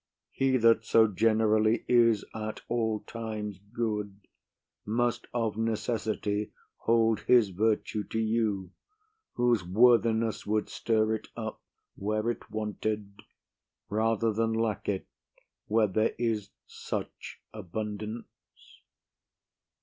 He that so generally is at all times good, must of necessity hold his virtue to you, whose worthiness would stir it up where it wanted, rather than lack it where there is such abundance.